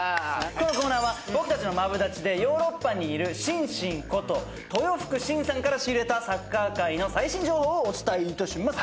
このコーナーは僕たちのマブダチでヨーロッパにいるしんしんこと豊福晋さんから仕入れたサッカー界の最新情報をお伝えいたします。